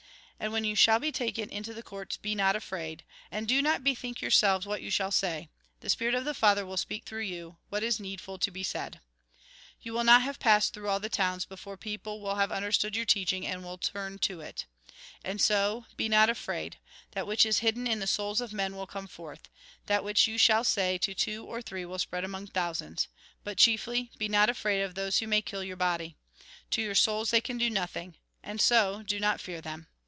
And when you shall be taken into the courts, be not afraid ; and do not bethink yourselves what you shall say. The spirit of the Father will speak through you, what is needful to be said. " You will not have passed through all the towns, Mt. X. 16 Lk. A. 4. THE TRUE LIFE 73 Mt. X. 27. 26. 28. 29. 30. 31. 34. Lk. xii. 49. 51. 62, 63. xiv. 26. Mk. iii. 22. 20. before people will have understood your teachiug, and •will turn to it. " And so, be not afraid. That which is hidden in the souls of men will come forth. That which you shall say to two or three will spread among thousands. But chiefly, be not afraid of those who may kill your body. To your souls, they can do nothing. And so, do not fear them.